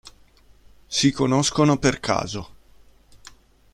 Si conoscono per caso.